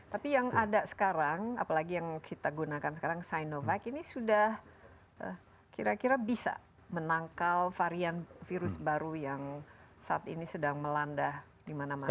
tapi yang ada sekarang apalagi yang kita gunakan sekarang sinovac ini sudah kira kira bisa menangkal varian virus baru yang saat ini sedang melanda di mana mana